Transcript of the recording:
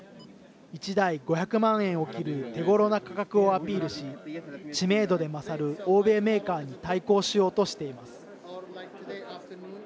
１台５００万円を切る手ごろな価格をアピールし知名度で勝る、欧米メーカーに対抗しようとしています。